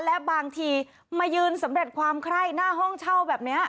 และบางทีมายืนสำเร็จความไคร้หน้าห้องเช่าแบบนี้